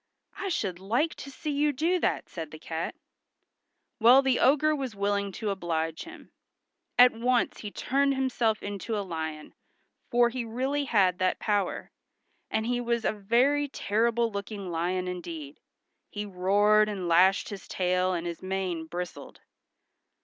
"I should like to see you do that," said the cat. Well, the ogre was willing to oblige him. At once he turned himself into a lion, for he really had that power, and he was a very terrible looking lion indeed. He roared and lashed his tail and his mane bristled.